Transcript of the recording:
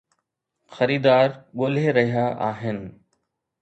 خريدار ڳولي رھيا آھن